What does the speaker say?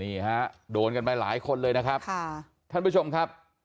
นี่ฮะโดนกันไปหลายคนเลยนะครับค่ะท่านผู้ชมครับ